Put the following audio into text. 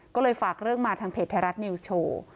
ก็เลยฝากเรื่องมาทางเพจไทยรัฐนิวส์โชว์